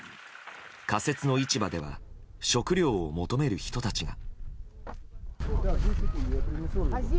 仮設の市場では食料を求める人たちが。